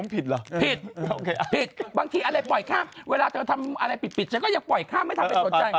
ผิดเหรอผิดผิดบางทีอะไรปล่อยข้ามเวลาเธอทำอะไรผิดฉันก็ยังปล่อยข้ามไม่ทำไปสนใจ